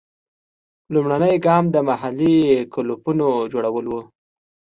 لومړنی ګام د محلي کلوپونو جوړول وو.